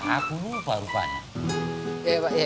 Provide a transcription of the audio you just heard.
aku lupa rupanya